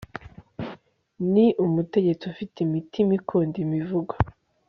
ni umutegetsi ufite imitima ikunda imivugo